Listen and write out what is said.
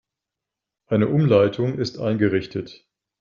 Eine Umleitung ist eingerichtet.